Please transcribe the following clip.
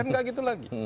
kan tidak gitu lagi